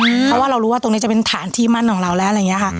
เพราะว่าเรารู้ว่าตรงนี้จะเป็นฐานที่มั่นของเราแล้ว